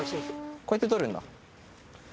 こうやって取るんだ。